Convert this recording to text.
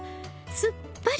すっきり。